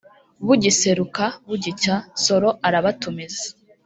Bugiseruka (bugicya) Nsoro arabatumiza